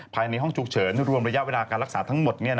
ภายในห้องฉุกเฉินรวมระยะเวลาการรักษาทั้งหมด